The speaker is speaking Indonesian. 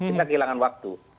kita kehilangan waktu